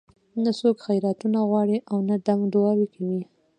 نه څوک خیراتونه غواړي او نه دم دعاوې کوي.